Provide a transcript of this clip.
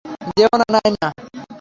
যেও না, নায়না।